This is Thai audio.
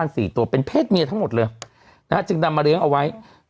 สี่ตัวเป็นเพศเมียทั้งหมดเลยนะฮะจึงนำมาเลี้ยงเอาไว้